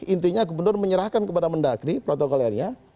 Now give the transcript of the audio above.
intinya gubernur menyerahkan kepada mendagri protokol airnya